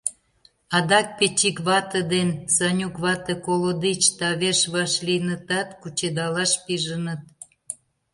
Адак Печик вате ден Санюк вате колодич тавеш вашлийынытат, кучедалаш пижыныт...